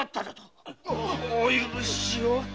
お許しを。